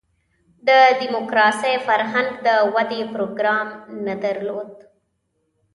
د دیموکراسۍ فرهنګ د ودې پروګرام نه درلود.